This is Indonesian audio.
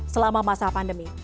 selama masa pandemi